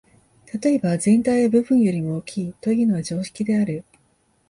例えば、「全体は部分よりも大きい」というのは常識である。